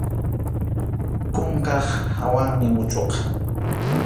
Kunkap hawanmi muchʼuqa.